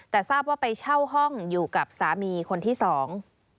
แต่ทราบว่าไปเช่าห้องอยู่กับสามีคนที่สอง